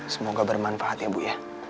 semoga bermanfaat ya bu ya